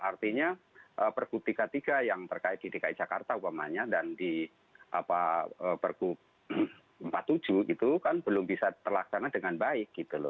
artinya pergub tiga puluh tiga yang terkait di dki jakarta upamanya dan di pergub empat puluh tujuh itu kan belum bisa terlaksana dengan baik gitu loh